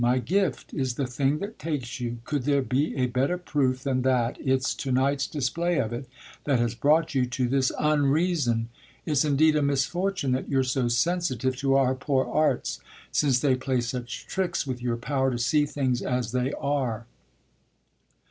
My gift is the thing that takes you: could there be a better proof than that it's to night's display of it that has brought you to this unreason? It's indeed a misfortune that you're so sensitive to our poor arts, since they play such tricks with your power to see things as they are.